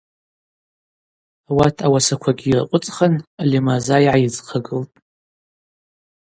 Ауат ауасаквагьи йыркъвыцӏхын Алимырзма йгӏайыдзхъагылтӏ.